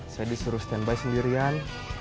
saya disuruh standby sendirian